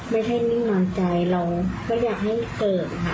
ไม่ใช่นิ่งมาใจเราก็อยากให้เกิกค่ะ